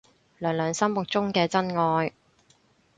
娘娘心目中嘅真愛